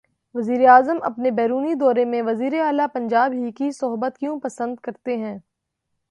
وزیراعظم اپنے بیرونی دورے میں وزیر اعلی پنجاب ہی کی صحبت کیوں پسند کرتے ہیں؟